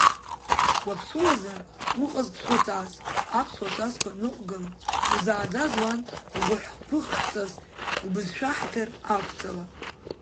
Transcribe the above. Уаԥсуазар, уҟаз ԥсуаҵас, аԥсуа ҵасқәа ныҟәгала, узааӡаз уан лгәыԥҳәыхшҵас, убызшәа ҳаҭыр ақәҵала!